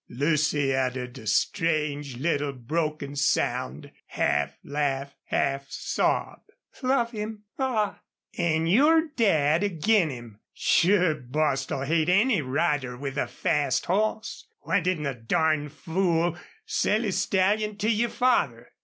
Lucy uttered a strange little broken sound, half laugh, half sob. "Love him! Ah!" "An' your Dad's ag'in him! Sure Bostil'll hate any rider with a fast hoss. Why didn't the darn fool sell his stallion to your father?"